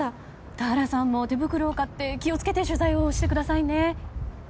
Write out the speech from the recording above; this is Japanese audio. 田原さんも手袋を買って気を付けて取材してくださいね。